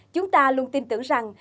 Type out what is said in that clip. chúng ta luôn tin tưởng rằng